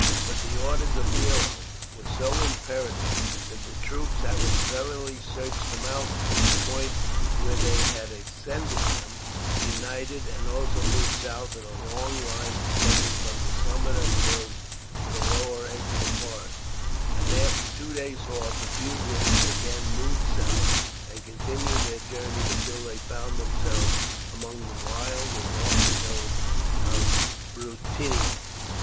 But the orders of Nero were so imperative that the troops, having thoroughly searched the mountains at the point where they had ascended them, united, and also moved south in a long line extending from the summit of the hills to the lower edge of the forest; and after two days' halt the fugitives again moved south, and continued their journey until they found themselves among the wild and lofty hills of Bruttium.